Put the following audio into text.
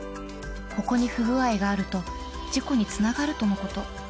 ここに不具合があると事故につながるとのこと